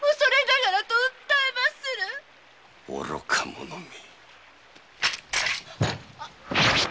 愚か者め。